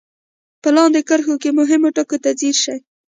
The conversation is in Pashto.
په لاندې کرښو کې مهمو ټکو ته ځير شئ.